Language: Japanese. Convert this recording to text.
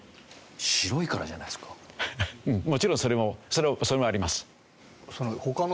もちろんそれもそれもあります。